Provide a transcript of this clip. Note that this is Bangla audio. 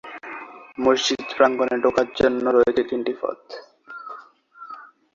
মসজিদ প্রাঙ্গণে ঢোকার জন্য রয়েছে তিনটি পথ।